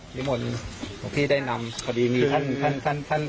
ลิมวลผมพี่ได้นำพอดีมีท่านท่านท่านท่าน